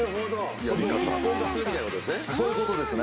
一本化するみたいなことですね。